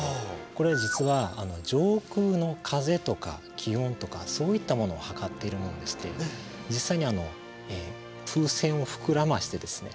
これ実は上空の風とか気温とかそういったものを測っているものでして実際に風船を膨らましてですね